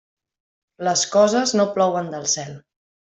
Les coses no plouen del cel.